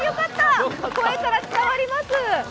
声から伝わります。